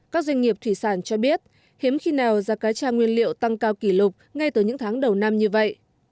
các doanh nghiệp thủy sản cho biết hiếm khi nào giá cá tra nguyên liệu tăng cao kỷ lục ngay từ những tháng đầu năm như vậy